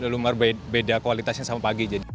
lumar beda kualitasnya sama pagi